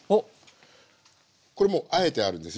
これもうあえてあるんです。